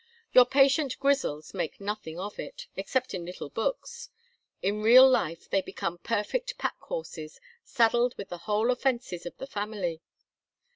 Your patient Grizzles make nothing of it, except in little books: in real life they become perfect pack horses, saddled with the whole offences of the family.